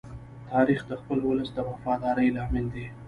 تاریخ د خپل ولس د وفادارۍ لامل دی.